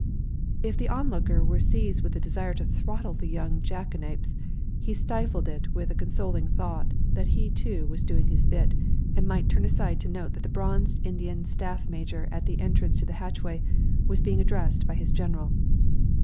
If the onlooker were seized with a desire to throttle the young jackanapes he stifled it with the consoling thought that he, too, was doing his bit, and might turn aside to note that the bronzed Indian Staff Major at the entrance to the hatchway was being addressed by his General.